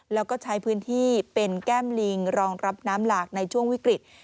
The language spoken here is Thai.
แล้วก็ใช้พื้นที่เป็นแก้มลิงรองรับน้ำหลากในช่วงวิกฤต